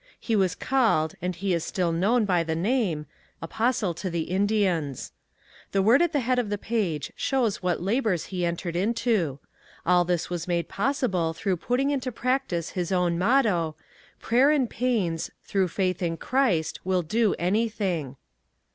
He was called, and he is still known by the name, "Apostle to the Indians." The word at the head of the page shows what labors he entered into. All this was made possible through putting into practice his own motto, "Prayer and pains, through faith in Christ, will do anything."